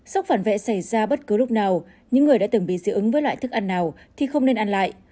sốc phản vệ xảy ra bất cứ lúc nào những người đã từng bị dị ứng với loại thức ăn nào thì không nên ăn lại